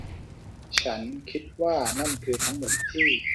ฉันคิดว่านั่นคือทั้งหมดที่